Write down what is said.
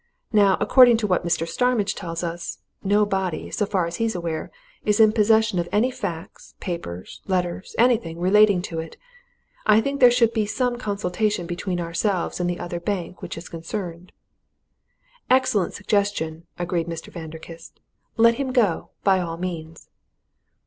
Now, according to what Mr. Starmidge tells us, no body, so far as he's aware, is in possession of any facts, papers, letters, anything, relating to it. I think there should be some consultation between ourselves and this other bank which is concerned." "Excellent suggestion!" agreed Mr. Vanderkiste. "Let him go by all means."